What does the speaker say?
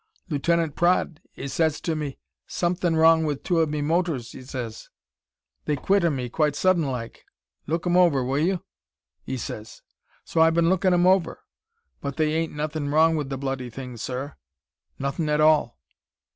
"Lieutenant Praed, 'e sez to me, 'Somethin' wrong with two of me motors,' 'e sez. 'They quit on me quite sudden like. Look 'em over, will you?' 'e sez. So I been lookin' 'em over. But they ain't nothin' wrong with the bloody things, sir nothin' at all!"